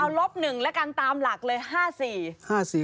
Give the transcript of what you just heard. เอาลบ๑แล้วกันตามหลักเลย๕๔